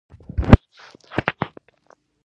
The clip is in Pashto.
د خدای په کور کې راته ننوتو.